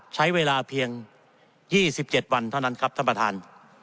ใช้เวลาเพียง๒๗วันเท่านั้นครับท่านประธาน